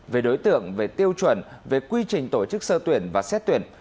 về đối tượng về tiêu chuẩn về quy trình tổ chức sơ tuyển và xét tuyển